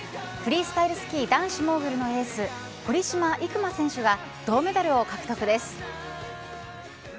フリースタイルスキー男子モーグルのエース堀島行真選手が銅メダルを獲得です。